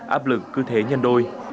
áp lực cứ thế nhân đôi